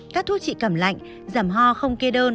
các thuốc trị cẩm lạnh giảm ho không kê đơn